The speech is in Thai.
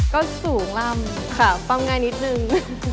ก็สูงลำค่ะฟังง่ายนิดนึง